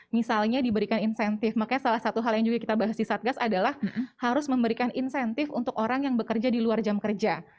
misalnya diberikan insentif makanya salah satu hal yang juga kita bahas di satgas adalah harus memberikan insentif untuk orang yang bekerja di luar jam kerja